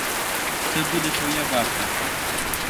Це буде твоя варта.